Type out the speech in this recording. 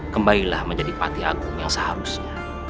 kembalilah menjadi patiagum yang seharusnya